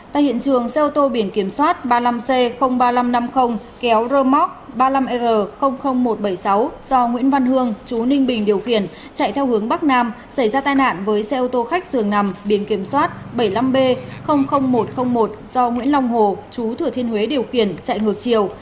tại hiện trường xe ô tô biển kiểm soát ba mươi năm c ba nghìn năm trăm năm mươi kéo rơ móc ba mươi năm r một trăm bảy mươi sáu do nguyễn văn hương chú ninh bình điều khiển chạy theo hướng bắc nam xảy ra tai nạn với xe ô tô khách dường nằm biển kiểm soát bảy mươi năm b một trăm linh một do nguyễn long hồ chú thừa thiên huế điều khiển chạy ngược chiều